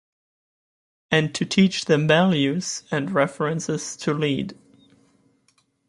And to teach them values and references to lead.